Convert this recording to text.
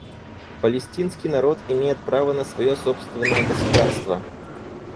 Палестинский народ имеет право на свое собственное государство.